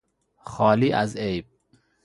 خالی از عیب